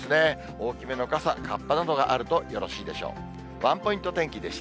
大きめの傘、かっぱなどがあるとよろしいでしょう。